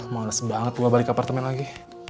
males banget gue balik apartemen lagi